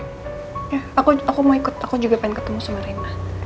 ya aku mau ikut aku juga pengen ketemu sama rina